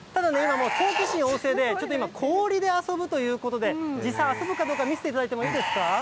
好奇心旺盛で、氷で遊ぶということで、実際、遊ぶかどうか見せていただいていいですか。